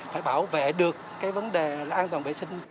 phải bảo vệ được cái vấn đề là an toàn vệ sinh